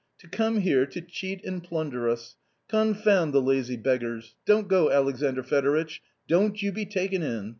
to come here to cheat and plunder us ! Con found the lazy beggars ! Don't go, Alexandr Fedoritch, don't you be taken in